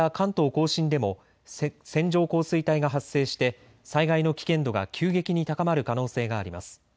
甲信でも線状降水帯が発生して災害の危険度が急激に高まる可能性があります。